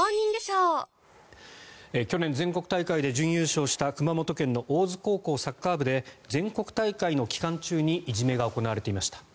去年全国大会で準優勝した熊本県の大津高校サッカー部で全国大会の期間中にいじめが行われていました。